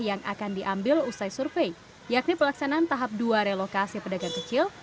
yang akan diambil usai survei yakni pelaksanaan tahap dua relokasi pedagang kecil